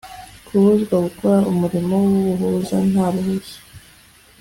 Kubuzwa gukora umurimo w’ubuhuza nta ruhushya